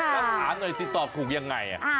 ก็ถามหน่อยติดต่อถูกยังไง